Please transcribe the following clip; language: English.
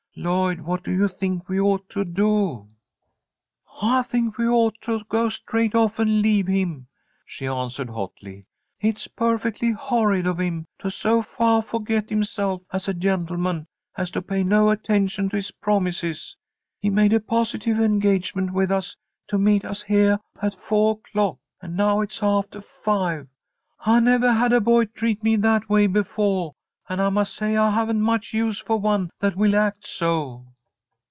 Lloyd, what do you think we ought to do?" "I think we ought to go straight off and leave him!" she answered, hotly. "It's perfectly horrid of him to so fah fo'get himself as a gentleman as to pay no attention to his promises. He made a positive engagement with us to meet us heah at foah o'clock, and now it's aftah five. I nevah had a boy treat me that way befoah, and I must say I haven't much use for one that will act so."